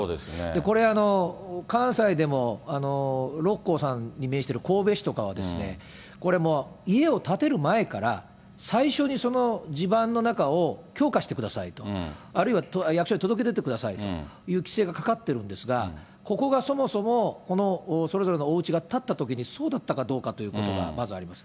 これ、関西でも六甲山に面している神戸市とかはですね、これもう、家を建てる前から、最初にその地盤の中を強化してくださいと、あるいは役所に届け出てくださいという規制がかかってるんですが、ここがそもそも、このそれぞれのおうちが建ったときにそうだったかどうかということがまずあります。